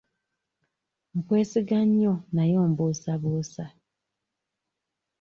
Nkwesiga nnyo naye ombuusabuusa.